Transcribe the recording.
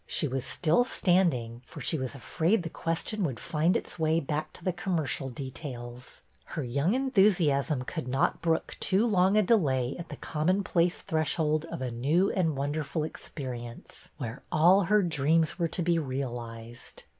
She was still standing, for she was afraid the question would find its way back to the commercial details. Her young enthusiasm could not brook too long a delay at the common place threshold of a new and wonderful experi ence where all her dreams were to be realized.